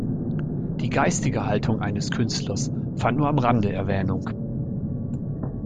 Die geistige Haltung eines Künstlers fand nur am Rande Erwähnung.